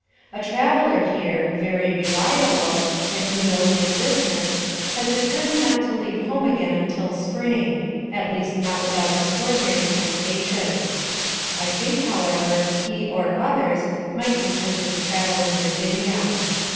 A traveler here, very reliable, and who knows his business, has determined not to leave home again till spring, at least not without extraordinary temptations. I think, however, he or others, might be tempted to travel in Virginia.